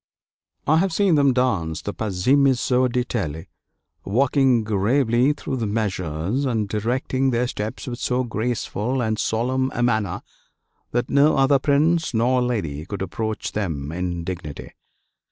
I have seen them dance the 'Pazzemezzo d'Italie,' walking gravely through the measures, and directing their steps with so graceful and solemn a manner that no other prince nor lady could approach them in dignity.